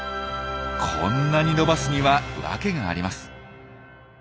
こんなに伸ばすには訳があります。